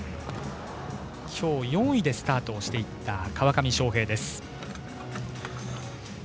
今日４位でスタートしていった川上翔平です。